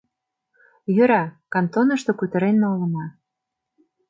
Йӧра, кантонышто кутырен налына.